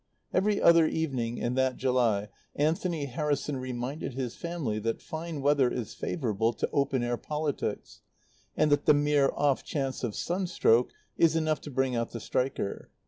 Every other evening in that July Anthony Harrison reminded his family that fine weather is favourable to open air politics, and that the mere off chance of sunstroke is enough to bring out the striker.